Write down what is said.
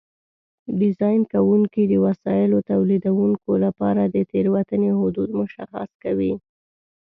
ډیزاین کوونکي د وسایلو تولیدوونکو لپاره د تېروتنې حدود مشخص کوي.